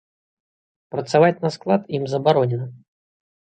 Працаваць на склад ім забаронена.